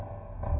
aku sudah selesai